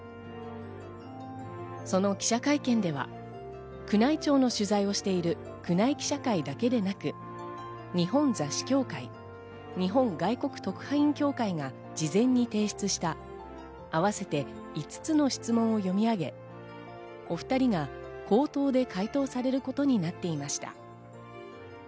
その記者会見では、宮内庁の取材をしている宮内記者会だけでなく、日本雑誌協会、日本外国特派員協会が事前に提出した合わせて５つの質問を読み上げ、お２人が口頭で回答されることになっていました。